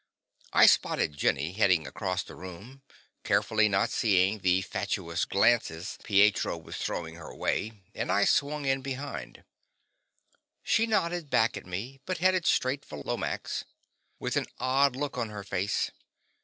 I spotted Jenny heading across the room, carefully not seeing the fatuous glances Pietro was throwing her way, and I swung in behind. She nodded back at me, but headed straight for Lomax, with an odd look on her face.